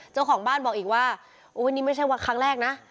เจ้าของบ้านบอกอีกว่านี่ไม่ใช่ว่าครั้งแรกนะ